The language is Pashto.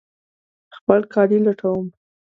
خپل کالي لټوم